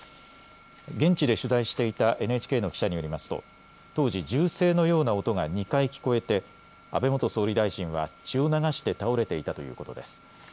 現地で取材していたＮＨＫの記者によりますと当時銃声のような音が２回聞こえて安倍元総理大臣は血を流して倒れていたということです。